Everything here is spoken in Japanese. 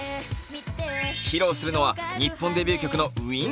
披露するのは、日本デビュー曲の「ＷｉｎｇＷｉｎｇ」。